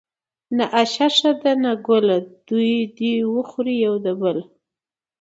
ـ نه آشه ښه ده نه ګله دوي د وخوري يو د بله.